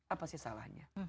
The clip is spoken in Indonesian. apa sih salahnya